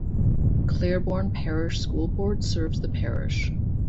Claiborne Parish School Board serves the parish.